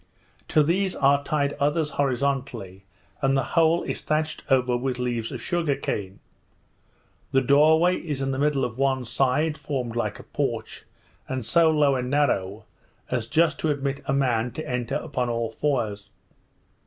To these are tied others horizontally, and the whole is thatched over with leaves of sugar cane. The door way is in the middle of one side, formed like a porch, and so low and narrow, as just to admit a man to enter upon all fours.